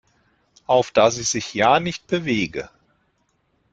Auf dass sie sich ja nicht bewege.